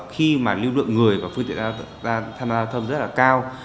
khi lưu lượng người và phương tiện giao thông rất cao